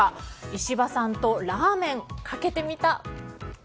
石破さんとラーメンかけてみた。